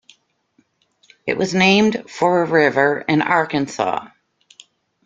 It was named for a river in Arkansas.